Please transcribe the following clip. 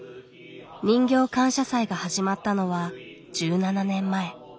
人形感謝祭が始まったのは１７年前。